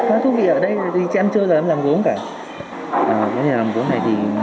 em thấy rất là vui rất là thú vị ở đây em chưa bao giờ làm gốm cả